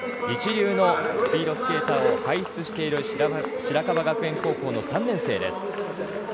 一流のスピードスケーターを輩出している白樺学園高校の３年生です。